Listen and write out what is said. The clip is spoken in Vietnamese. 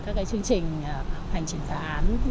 các cái chương trình hành trình phá án